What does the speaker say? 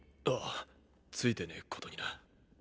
あぁついてねえことにな。